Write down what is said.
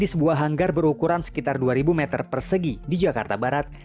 di sebuah hanggar berukuran sekitar dua ribu meter persegi di jakarta barat